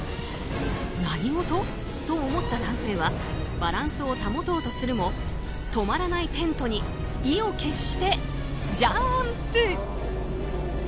何事？と思った男性はバランスを保とうとするも止まらないテントに意を決してジャンプ。